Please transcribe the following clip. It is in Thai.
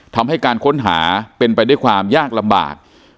ทำให้การค้นหาเป็นไปด้วยความยากลำบาก